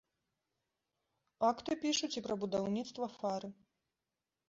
Акты пішуць і пра будаўніцтва фары.